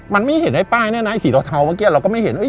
มันไม่เห็นไอ้ป้ายแน่นะไอสีเทาเมื่อกี้เราก็ไม่เห็น